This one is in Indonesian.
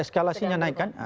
ya eskalasinya naik kan